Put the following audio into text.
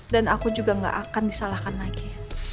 dan aku juga gak akan disalahkan lagi